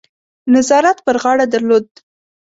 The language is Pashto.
نظارت پر غاړه درلود.